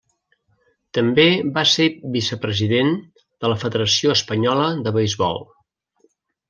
També va ser vicepresident de la Federació Espanyola de Beisbol.